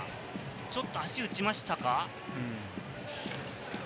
ちょっと足を打ちましたか？